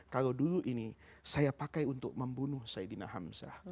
kalau dulu ini saya pakai untuk membunuh sayyidina hamzah